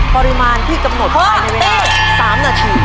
ปริมาณที่กำหนดแค่๓นาที